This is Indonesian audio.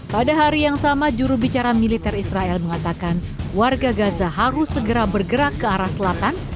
pada hari yang sama jurubicara militer israel mengatakan warga gaza harus segera bergerak ke arah selatan